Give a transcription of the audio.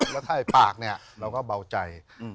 แล้วถ่ายปากเนี่ยเราก็เบาใจ